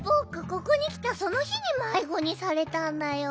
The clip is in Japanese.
ここにきたそのひにまいごにされたんだよ。